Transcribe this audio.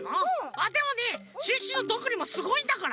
あっでもねシュッシュのどんぐりもすごいんだから。